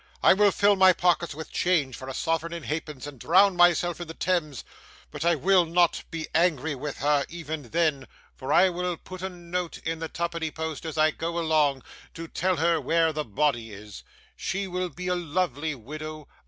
'I will fill my pockets with change for a sovereign in halfpence and drown myself in the Thames; but I will not be angry with her, even then, for I will put a note in the twopenny post as I go along, to tell her where the body is. She will be a lovely widow.